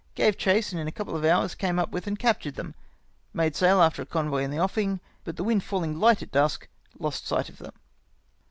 Gave chase, and in a couple of hours came up with and captured them. INIade sail after a convoy in the offing, but the wind falling light at dusk, lost sight of them.